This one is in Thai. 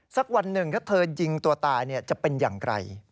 สักวันหนึ่งถ้าเธอยิงตัวตายจะเป็นอย่างไร